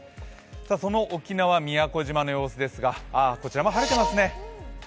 その沖縄・宮古島の様子ですが、こちらも晴れていますね。